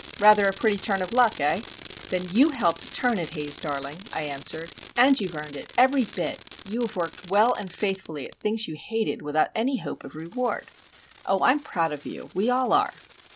Rather a pretty turn of luck, hey?" "Then you helped turn it, Haze darling," I answered. "And you've earned it every bit! You have worked well and faithfully at things you hated, without any hope of reward. Oh, I'm proud of you,—we all are!"